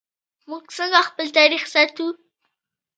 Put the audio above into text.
موږ څنګه خپل تاریخ ساتو؟